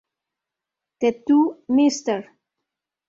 The Two Mr.